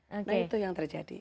nah itu yang terjadi